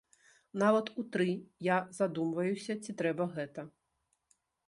Нават у тры я задумваюся, ці трэба гэта.